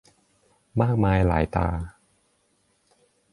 มากหน้าหลายตา